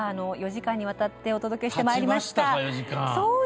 ４時間にわたってお伝えしてまいりました